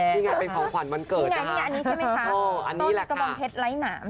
ยังไงเป็นของขวัญวันเกิดที่ไงยังไงอันนี้ใช่ไหมคะเอออันนี้แหล่ะค่ะงามใช่ไหม